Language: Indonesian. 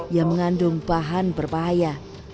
yang mengandung bahan berbahaya